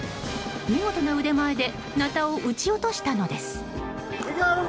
見事な腕前でナタを撃ち落としたのです。